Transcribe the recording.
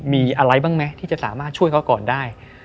มีอะไรบ้างไหมที่จะสามารถช่วยเขาก่อนได้